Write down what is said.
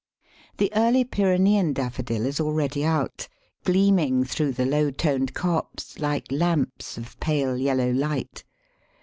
The early Pyrenean Daffodil is already out, gleaming through the low toned copse like lamps of pale yellow light.